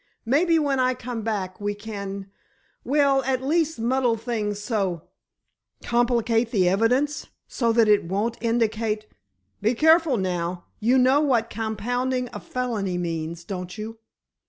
Maybe when I come back, we can—well, at least muddle things so——" "Complicate the evidence! So that it won't indicate——" "Be careful now! You know what compounding a felony means, don't you?